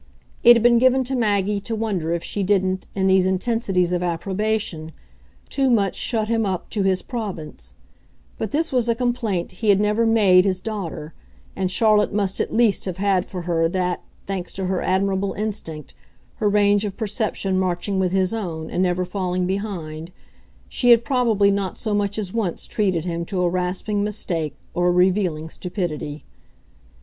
It had been given to Maggie to wonder if she didn't, in these intensities of approbation, too much shut him up to his province; but this was a complaint he had never made his daughter, and Charlotte must at least have had for her that, thanks to her admirable instinct, her range of perception marching with his own and never falling behind, she had probably not so much as once treated him to a rasping mistake or a revealing stupidity.